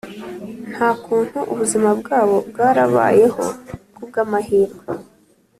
Nta kuntu ubuzima bwaba bwarabayeho ku bw ‘amahirwe.